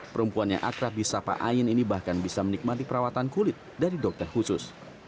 perempuannya akrab di sapa aien ini bahkan bisa menikmati perawatan kulit dari dokter khusus